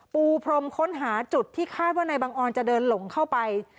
ปูพรมค้นหาจุดที่คาดว่านายบังออนจะเดินหลงเข้าไป